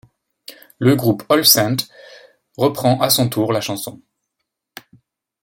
Le groupe All Saints reprend à son tour la chanson.